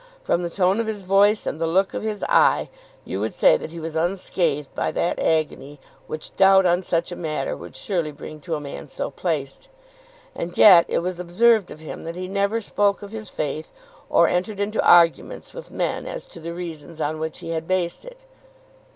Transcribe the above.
From the tone of his voice and the look of his eye, you would say that he was unscathed by that agony which doubt on such a matter would surely bring to a man so placed. And yet it was observed of him that he never spoke of his faith, or entered into arguments with men as to the reasons on which he had based it.